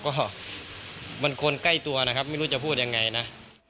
ก็มันคนใกล้ตัวนะครับไม่รู้จะพูดยังไงนะ